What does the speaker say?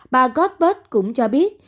bà godbert cũng cho biết